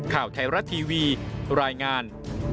ข่าวไทยรัฐทีวีรายงาน